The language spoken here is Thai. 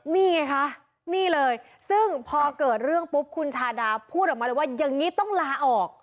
นี่ไงคะนี่เลยซึ่งพอเกิดเรื่องปุ๊บคุณชาดาพูดออกมาเลยว่าอย่างนี้ต้องลาออก